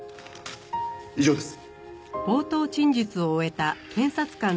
以上です。